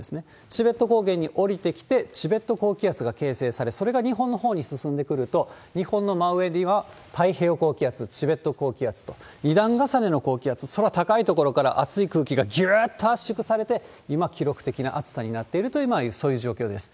チベット高原に下りてきて、チベット高気圧が形成され、それが日本のほうに進んでくると、日本の真上には太平洋高気圧、チベット高気圧と、２段重ねの高気圧、空高い所から暑い空気がぎゅーっと圧縮されて、今、記録的な暑さになっているという、そういう状況です。